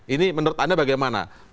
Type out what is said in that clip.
ini menurut anda bagaimana